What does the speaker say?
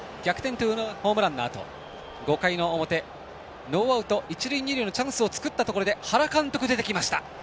ツーランホームランのあと５回の表、ノーアウト一塁二塁のチャンスを作ったところで原監督、出てきました。